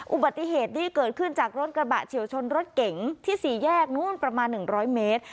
อุบัติเหตุนี้เกิดขึ้นจากรถกระบะเฉียวชนรถเก๋งที่๔แยกนู้นประมาณ๑๐๐เมตร